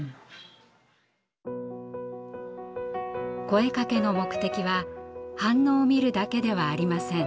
声かけの目的は反応を見るだけではありません。